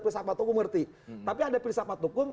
perisapat hukum ngerti tapi ada perisapat hukum